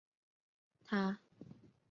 他曾任袁世凯内阁弼德院顾问大臣。